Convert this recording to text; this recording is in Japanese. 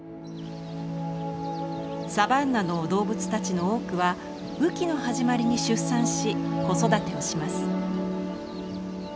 サバンナの動物たちの多くは雨季の始まりに出産し子育てをします。